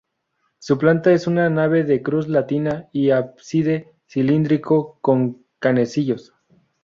Su planta es una nave de cruz latina y ábside cilíndrico con canecillos.